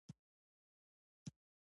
په ایټالوي کې مو یو له بل سره خبرې کولې.